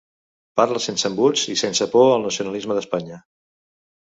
Parla sense embuts i sense por al nacionalisme d'Espanya.